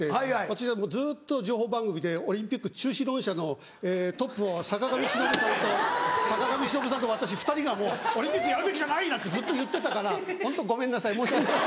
私はずっと情報番組でオリンピック中止論者のトップを坂上忍さんと坂上忍さんと私２人がもうオリンピックやるべきじゃない！なんてずっと言ってたからホントごめんなさい申し訳ない。